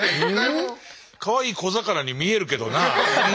かわいい小魚に見えるけどな。